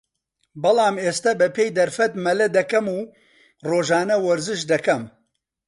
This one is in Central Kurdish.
بەڵام ئێستا بە پێی دەرفەت مەلە دەکەم و رۆژانە وەرزش دەکەم